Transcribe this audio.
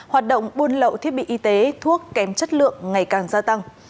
hoạt động buôn lậu thiết bị y tế thuốc kém chất lượng ngày càng gia tăng